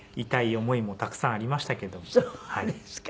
痛い思いもたくさんありましたけども。